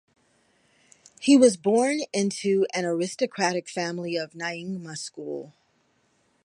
He was born into an aristocratic family of Nyingma school.